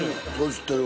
知ってる。